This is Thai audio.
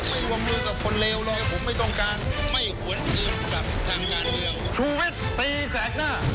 ไม่วงมือกับคนเลวเลยผมไม่ต้องการ